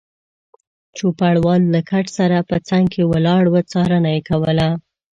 چوپړوال له کټ سره په څنګ کې ولاړ و، څارنه یې کوله.